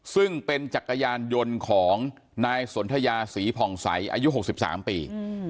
ซึ่งเป็นจักรยานยนต์ของนายสนทยาศรีผ่องใสอายุ๖๓ปี